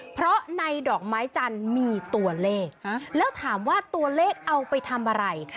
เพราะในดอกไม้จันทร์มีตัวเลขแล้วถามว่าตัวเลขเอาไปทำอะไร